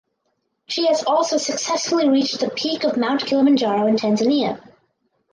She has also successfully reached the peak of Mount Kilimanjaro in Tanzania.